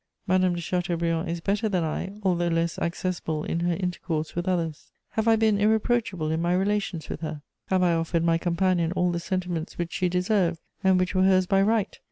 Madame de Chateaubriand is better than I, although less accessible in her intercourse with others. Have I been irreproachable in my relations with her? Have I offered my companion all the sentiments which she deserved and which were hers by right?